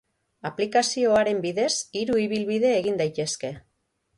Aplikazioaren bidez, hiru ibilbide egin daitezke.